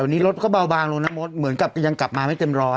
นี่รถก็เบาบางลงนะมดเหมือนกับยังกลับมาไม่เต็มร้อย